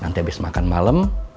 nanti abis makan malam